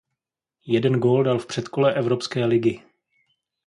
Jeden gól dal v předkole Evropské ligy.